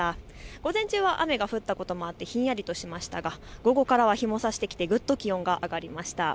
午前中は雨が降ったこともあってひんやりとしましたが午後からは日もさしてきてぐっと気温が上がりました。